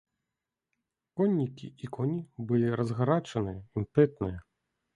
Коннікі і коні былі разгарачаныя, імпэтныя.